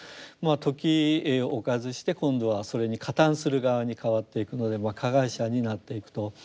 時を置かずして今度はそれに加担する側に変わっていくので加害者になっていくと。